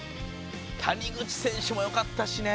谷口選手もよかったしね。